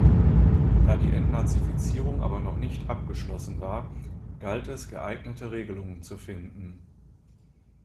Da die Entnazifizierung aber noch nicht abgeschlossen war, galt es, geeignete Regelungen zu finden.